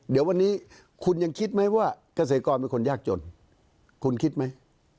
เดี๋ยววันนี้คุณยังคิดไหมว่าเกษตรกรเป็นคนยากจนคุณคิดไหม